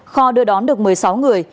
kho đưa đón được một mươi sáu người